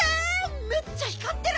めっちゃひかってる！